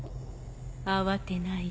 慌てないで。